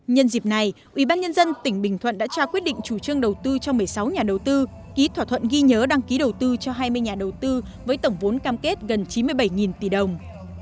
nhân dịp này ubnd tỉnh bình thuận đã trao quyết định chủ trương đầu tư cho một mươi sáu nhà đầu tư ký thỏa thuận ghi nhớ đăng ký đầu tư cho hai mươi nhà đầu tư với tổng vốn cam kết gần chín mươi bảy tỷ đồng